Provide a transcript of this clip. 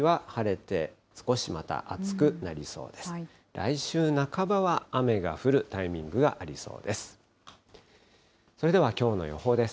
来週半ばは雨が降るタイミングがありそうです。